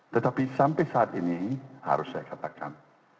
tetapi sampai saat ini harus saya katakan